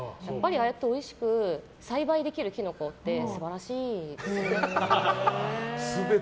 ああやっておいしくて栽培できるキノコって素晴らしいです。